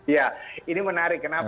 ya ini menarik kenapa